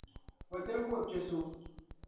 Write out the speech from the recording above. O tiri wuhi piɛ’ so.